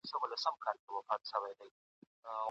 که موږ دا اضداد وپېژنو، همدا د انسان د پرمختګ